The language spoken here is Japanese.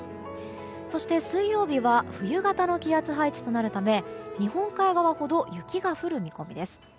そして、水曜日は冬型の気圧配置となるため日本海側ほど雪が降る見込みです。